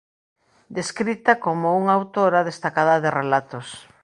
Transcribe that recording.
Descrita como unha "autora destacada de relatos".